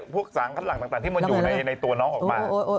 พวกสารคัดหลังต่างที่มันอยู่ในตัวน้องออกมา